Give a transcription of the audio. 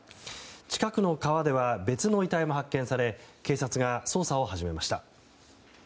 近くの川では別の遺体も発見され警察が捜査を始めました。